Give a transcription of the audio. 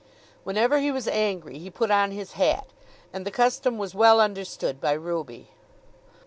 Whenever he was angry he put on his hat, and the custom was well understood by Ruby.